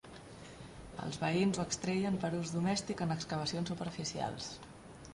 Els veïns ho extreien per a ús domèstic en excavacions superficials.